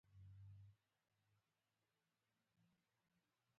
ما ولیدل چې هغه خپلې میرمن ته یوه ګران بیه ډالۍ اخیستې